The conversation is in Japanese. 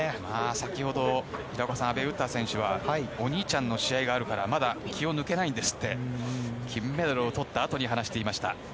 先ほど、阿部詩選手はお兄ちゃんの試合があるからまだ気を抜けないんですって金メダルをとったあとに話していました。